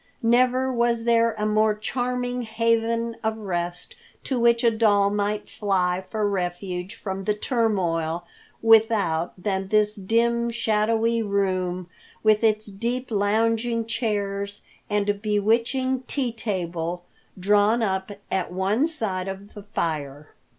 Never was there a more charming haven of rest to which a doll might fly for refuge from the turmoil without than this dim, shadowy room, with its deep lounging chairs and bewitching tea table drawn up at one side of the fire.